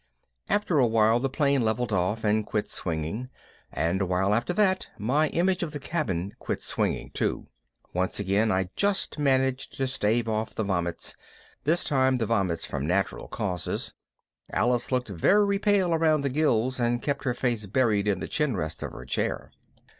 After a while the plane levelled off and quit swinging, and a while after that my image of the cabin quit swinging too. Once again I just managed to stave off the vomits, this time the vomits from natural causes. Alice looked very pale around the gills and kept her face buried in the chinrest of her chair.